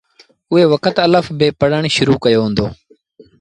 اُئي وکت الڦ بي پڙهڻ شرو ڪيو هُݩدو۔